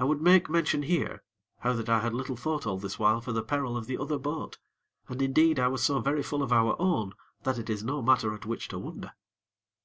I would make mention here, how that I had little thought all this while for the peril of the other boat, and, indeed, I was so very full of our own that it is no matter at which to wonder.